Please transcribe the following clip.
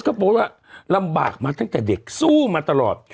เค้าว่ารับบากมาตั้งแต่เด็กซู้มาตลอด